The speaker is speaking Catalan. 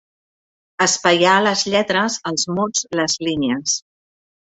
Espaiar les lletres, els mots, les línies.